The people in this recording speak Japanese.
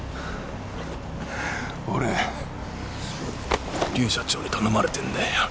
俺劉社長に頼まれてんだよ。